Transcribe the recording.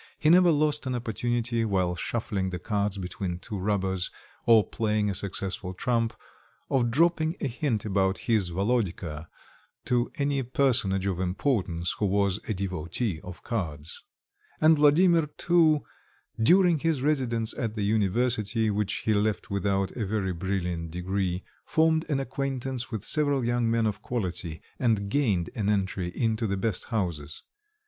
He never lost an opportunity, while shuffling the cards between two rubbers, or playing a successful trump, of dropping a hint about his Volodka to any personage of importance who was a devotee of cards. And Vladimir, too, during his residence at the university, which he left without a very brilliant degree, formed an acquaintance with several young men of quality, and gained an entry into the best houses.